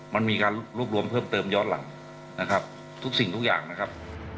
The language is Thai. มันมีการรวบรวมเพิ่มเติมย้อนหลังนะครับทุกสิ่งทุกอย่างนะครับ